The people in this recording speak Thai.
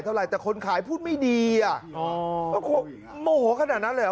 เท่าไหร่แต่คนขายพูดไม่ดีอ่ะอ๋อโมโหขนาดนั้นเลยเห